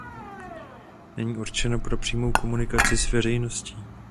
Není určeno pro přímou komunikaci s veřejností.